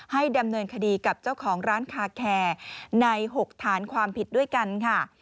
ดำเนินคดีกับเจ้าของร้านคาแคร์ใน๖ฐานความผิดด้วยกันค่ะ